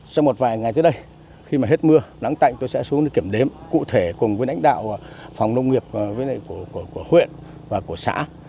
sau một vài ngày tới đây khi mà hết mưa nắng tạnh tôi sẽ xuống đi kiểm đếm cụ thể cùng với đánh đạo phòng nông nghiệp của huyện và của xã